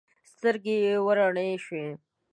سترګې یې وروڼې شوې.